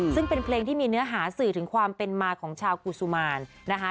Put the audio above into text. ซึ่งเป็นเพลงที่มีเนื้อหาสื่อถึงความเป็นมาของชาวกุศุมารนะคะ